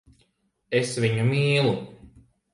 Es viņu mīlu.